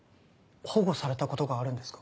保護されたことがあるんですか？